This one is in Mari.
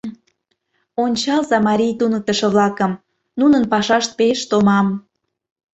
Ончалза марий туныктышо-влакым: нунын пашашт пеш томам.